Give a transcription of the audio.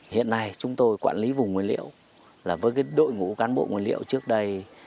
hiện nay chúng tôi quản lý vùng nguyên liệu là với đội ngũ cán bộ nguyên liệu trước đây